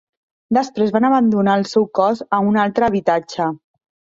Després van abandonar el seu cos a un altre habitatge.